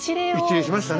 一礼しましたね